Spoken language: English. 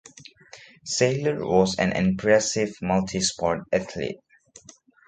Seiler was an impressive multi sport athlete.